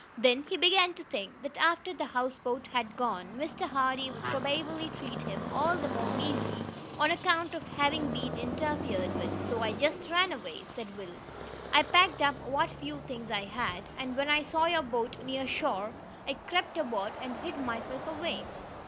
Then he began to think that after the houseboat had gone, Mr. Hardee would probably treat him all the more meanly, on account of having been interfered with. "So I just ran away," said Will. "I packed up what few things I had, and when I saw your boat near shore, I crept aboard and hid myself away.